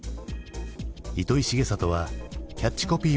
糸井重里はキャッチコピーも担当。